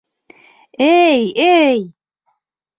Эй-эй!